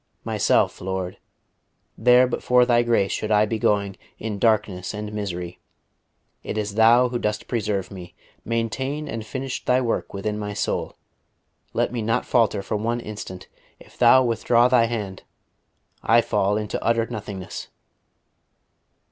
... "Myself, Lord there but for Thy grace should I be going, in darkness and misery. It is Thou Who dost preserve me. Maintain and finish Thy work within my soul. Let me not falter for one instant. If Thou withdraw Thy hand I fall into utter nothingness."